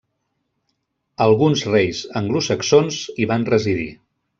Alguns reis anglosaxons hi van residir.